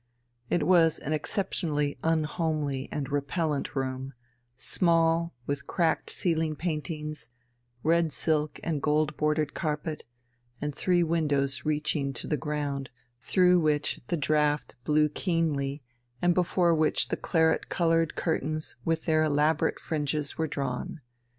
It was an exceptionally unhomely and repellent room, small, with cracked ceiling paintings, red silk and gold bordered carpet, and three windows reaching to the ground, through which the draught blew keenly and before which the claret coloured curtains with their elaborate fringes were drawn.